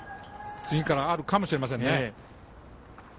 次からあるかもしれません。